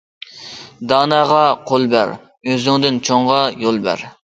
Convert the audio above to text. داناغا قول بەر، ئۆزۈڭدىن چوڭغا يول بەر.